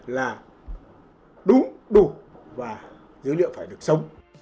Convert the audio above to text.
là đúng đủ và dữ liệu phải được sống